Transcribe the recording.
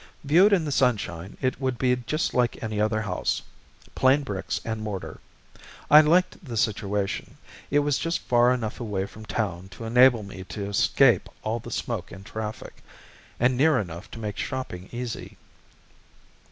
Viewed in the sunshine, it would be just like any other house plain bricks and mortar. I liked the situation; it was just far enough away from a town to enable me to escape all the smoke and traffic, and near enough to make shopping easy.